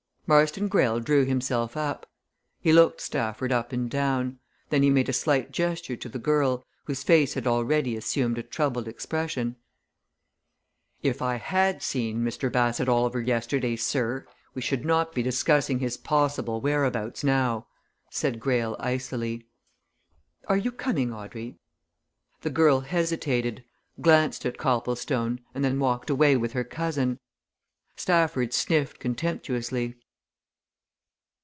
Marston Greyle drew himself up. He looked Stafford up and down. Then he made a slight gesture to the girl, whose face had already assumed a troubled expression. "If I had seen Mr. Bassett Oliver yesterday, sir, we should not be discussing his possible whereabouts now," said Greyle, icily. "Are you coming, Audrey?" The girl hesitated, glanced at Copplestone, and then walked away with her cousin. Stafford sniffed contemptuously.